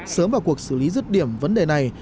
sớm vào cuộc xử lý rứt điểm vấn đề này